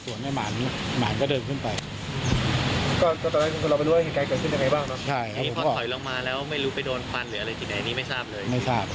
ส่วนอะไรเองมีผมมีหมาร